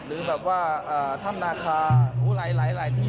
หรือแบบว่าถ้ำนาคาหลายที่